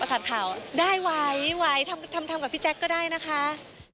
ขาดข่าวได้ไหวทำทำกับพี่แจ๊คก็ได้นะคะ